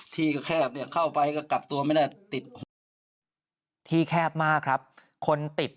ที่ก็แคบเนี่ยเข้าไปก็กลับตัวไม่ได้ติดหูที่แคบมากครับคนติด